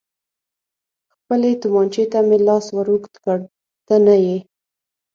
خپلې تومانچې ته مې لاس ور اوږد کړ، ته نه یې.